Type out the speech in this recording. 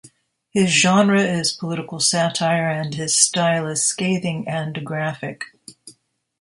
His genre is political satire and his style is scathing and graphic.